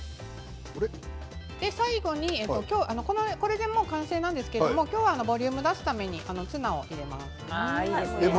最後にこれでもう完成なんですけど今日はボリュームを出すためにツナを入れます。